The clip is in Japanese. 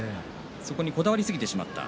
そこにこだわりすぎてしまった。